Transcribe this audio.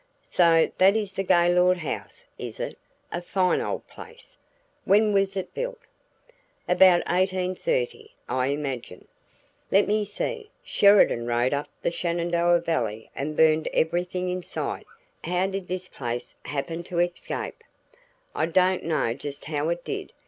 "So that is the Gaylord house is it? A fine old place! When was it built?" "About 1830, I imagine." "Let me see, Sheridan rode up the Shenandoah Valley and burned everything in sight. How did this place happen to escape?" "I don't know just how it did.